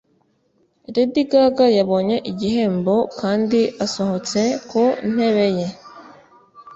lady gaga yabonye igihembo kandi asohotse ku ntebe ye